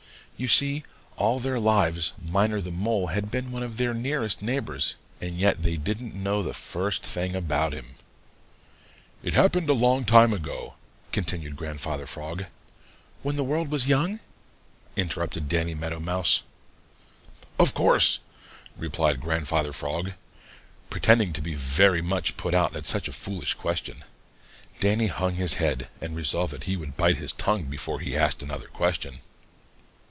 You see, all their lives Miner the Mole had been one of their nearest neighbors, and yet they didn't know the first thing about him. "It happened a long time ago," continued Grandfather Frog. "When the world was young?" interrupted Danny Meadow Mouse. "Of course," replied Grandfather Frog, pretending to be very much put out at such a foolish question. Danny hung his head and resolved that he would bite his tongue before he asked another question.